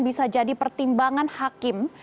bisa jadi pertimbangan hakim